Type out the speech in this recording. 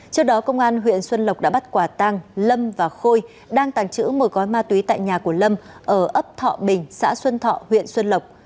trước đó công an huyện xuân lộc đã bắt quả tăng lâm và khôi đang tàng trữ một gói ma túy tại nhà của lâm ở ấp thọ bình xã xuân thọ huyện xuân lộc